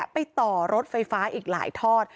ไปต่อรถไฟฟ้าอีกหลายทอด